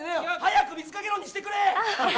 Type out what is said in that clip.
早く水掛け論にしてくれ！